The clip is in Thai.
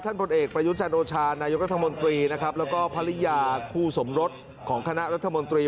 ผลเอกประยุจันโอชานายกรัฐมนตรีนะครับแล้วก็ภรรยาคู่สมรสของคณะรัฐมนตรี